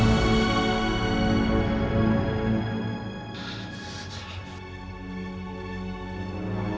setara setara setara setara